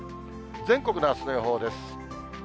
全国のあすの予報です。